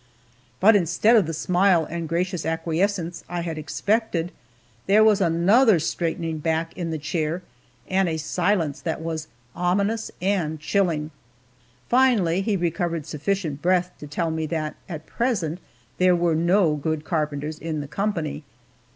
But instead of the smile and gracious acquiescence I had expected, there was another straightening back in the chair, and a silence that was ominous and chilling. Finally, he recovered sufficient breath to tell me that at present, there were no good carpenters in the company.